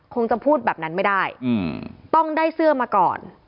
คงจะพูดแบบนั้นไม่ได้ต้องได้เสื้อมาก่อน